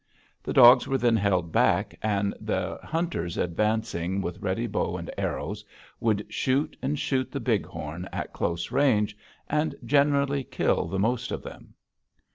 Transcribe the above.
The dogs were then held back, and the hunters, advancing with ready bow and arrows, would shoot and shoot the bighorn at close range and generally kill the most of them.